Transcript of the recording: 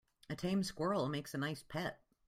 A tame squirrel makes a nice pet.